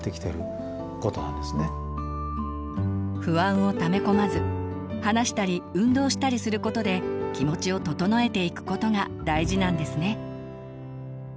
不安をため込まず話したり運動したりすることで気持ちを整えていくことが大事なんですね。